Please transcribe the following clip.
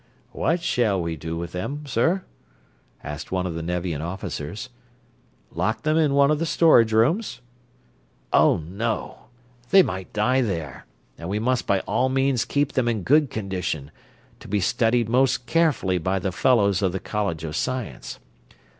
"What shall we do with them, sir?" asked one of the Nevian officers. "Lock them in one of the storage rooms?" "Oh, no! They might die there, and we must by all means keep them in good condition, to be studied most carefully by the fellows of the College of Science.